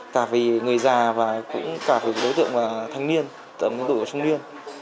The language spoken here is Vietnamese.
cả vì người già và cũng cả vì đối tượng là thanh niên tầm đối tượng là trung niên